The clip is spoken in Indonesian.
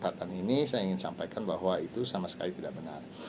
kesepakatan ini saya ingin sampaikan bahwa itu sama sekali tidak benar